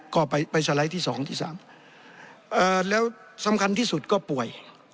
ก็ไปสไลด์ที่๒ที่๓แล้วสำคัญที่สุดก็ป่วย